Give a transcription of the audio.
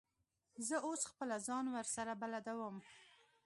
زه اوس خپله ځان ورسره بلدوم.